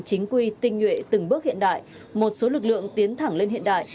chính quy tinh nhuệ từng bước hiện đại một số lực lượng tiến thẳng lên hiện đại